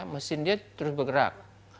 mesin dia terus bergerak